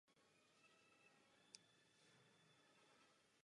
Takže mezi těmito dvěma soubory názorů je opravdová neshoda.